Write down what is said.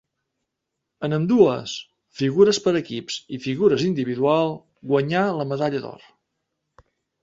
En ambdues, figures per equips i figures individual, guanyà la medalla d'or.